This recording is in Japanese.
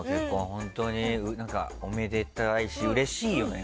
本当におめでたいしうれしいよね。